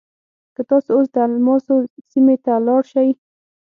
که تاسو اوس د الماسو سیمې ته لاړ شئ.